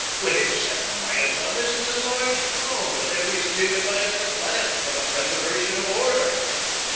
Within seven miles of us is a large town, with every civilised appliance for the preservation of order.